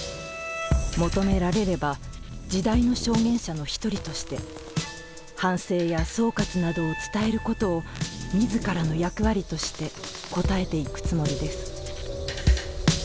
求められれば時代の証言者の一人として反省や総括などを伝えることを自らの役割として応えていくつもりです」